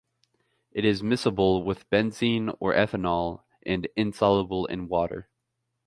It is miscible with benzene or ethanol and insoluble in water.